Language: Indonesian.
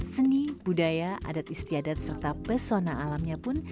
seni budaya adat istiadat serta pesona alamnya pun